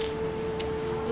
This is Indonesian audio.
jadi pesimis gue